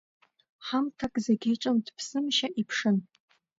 Ҳамҭак зегьы ҿымҭ-ԥсымшьа иԥшын.